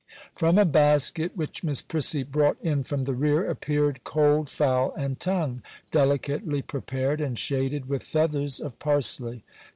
From a basket which Miss Prissy brought in from the rear, appeared cold fowl and tongue, delicately prepared, and shaded with feathers of parsley.